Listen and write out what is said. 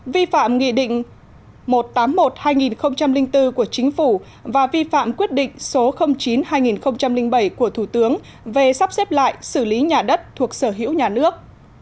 vi phạm nghị định một trăm tám mươi một hai nghìn bốn của chính phủ và vi phạm quyết định số chín hai nghìn bảy của thủ tướng về sắp xếp lại xử lý nhà đất thuộc sở hữu nhà nước